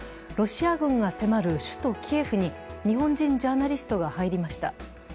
ロシア軍が迫る首都キエフに日本人ジャーナリストが入りました。